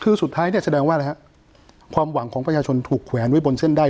คือสุดท้ายเนี่ยแสดงว่าอะไรฮะความหวังของประชาชนถูกแขวนไว้บนเส้นได้